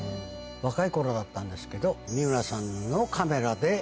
若い頃だったんですけど三村さんのカメラで。